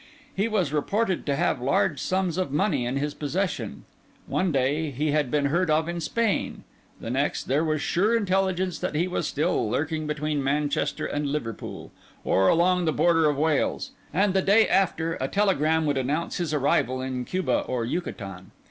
He was reported to have large sums of money in his possession. One day, he had been heard of in Spain; the next, there was sure intelligence that he was still lurking between Manchester and Liverpool, or along the border of Wales; and the day after, a telegram would announce his arrival in Cuba or Yucatan.